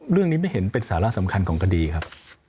เรื่องนี้ไม่เห็นเป็นสาระสำคัญของคดีครับ